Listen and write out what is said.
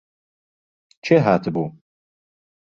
کێ هاتبوو؟